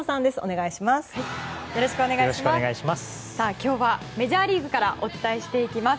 今日はメジャーリーグからお伝えしていきます。